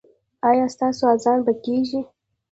ایا ستاسو اذان به کیږي؟